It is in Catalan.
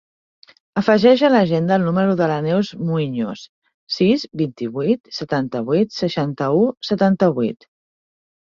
Afegeix a l'agenda el número de la Neus Muiños: sis, vint-i-vuit, setanta-vuit, seixanta-u, setanta-vuit.